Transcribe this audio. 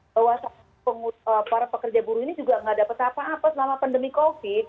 bahwa para pekerja buruh ini juga nggak dapat apa apa selama pandemi covid